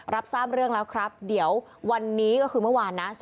รับทราบเรื่องแล้วครับเดี๋ยววันนี้ก็คือเมื่อวานนะ